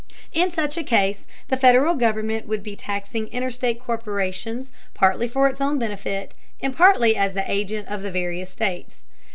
In such a case the Federal government would be taxing interstate corporations partly for its own benefit, and partly as the agent of the various states.